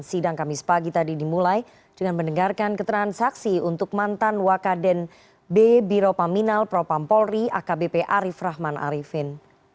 sidang kami sepagi tadi dimulai dengan mendengarkan ketransaksi untuk mantan wakaden b biro paminal propampolri akbp arief rahman arifin